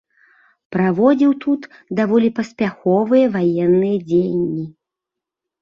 Праводзіў тут даволі паспяховыя ваенныя дзеянні.